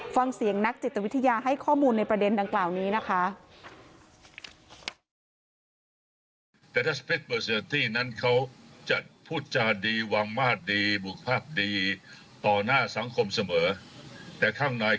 ฟังเสียงนักจิตวิทยาให้ข้อมูลในประเด็นดังกล่าวนี้นะคะ